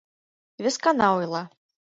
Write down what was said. — Вескана ойла.